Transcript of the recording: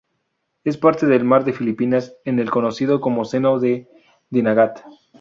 Es parte del Mar de Filipinas en el conocido como seno de Dinagat.